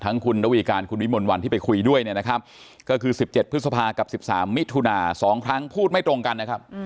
ทั้งคุณระวีการคุณวิมนต์วันที่ไปคุยด้วยนี่นะครับก็คือสิบเจ็ดพฤษภากับสิบสามมิถุนาสองครั้งพูดไม่ตรงกันนะครับ